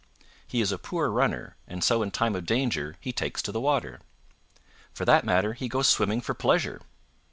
He is a poor runner and so in time of danger he takes to the water. For that matter, he goes swimming for pleasure.